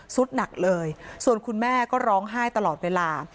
สุดหนักเลยส่วนคุณแม่ก็ร้องไห้ตลอดเวลา